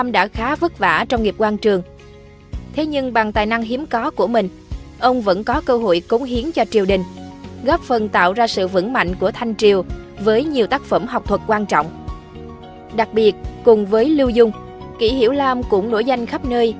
đặc biệt cùng với lưu dung kỷ hiểu lam cũng nổi danh khắp nơi